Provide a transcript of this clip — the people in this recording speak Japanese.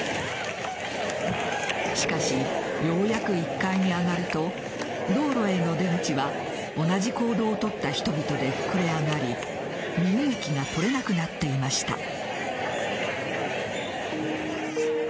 しかし、ようやく１階に上がると道路への出口は同じ行動をとった人々で膨れ上がり身動きがとれなくなっていました。